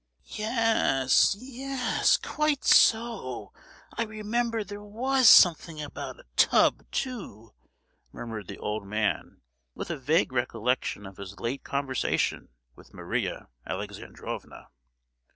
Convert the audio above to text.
"Ye—yes—quite so! I remember there was something about a tub, too!" murmured the old man, with a vague recollection of his late conversation with Maria Alexandrovna.